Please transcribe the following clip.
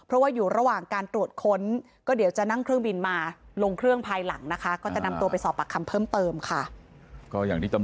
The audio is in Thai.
เราจะบอกว่า